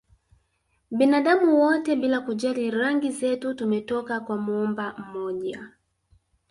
Binadamu wote bila kujali rangi zetu tumetoka kwa Muumba mmoja